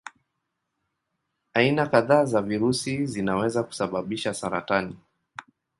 Aina kadhaa za virusi zinaweza kusababisha saratani.